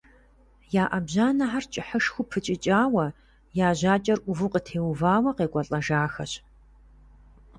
Я Ӏэбжьанэхэр кӀыхьышхуэу пыкӀыкӀауэ, я жьакӀэр Ӏуву къытеувауэ къекӀуэлӀэжахэщ.